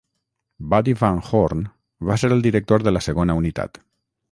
Buddy Van Horn va ser el director de la segona unitat.